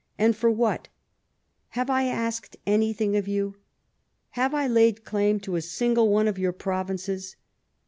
And for what ? Have I asked anything^ of you? Have I laid claim to a single one of your provinces?